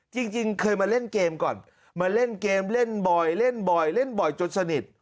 จริงเคยมาเล่นเกมก่อนมาเล่นเกมเล่นบ่อยเล่นบ่อยเล่นบ่อยจนสนิท